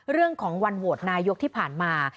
เรื่องของวันโหวตนายกที่ผ่านมา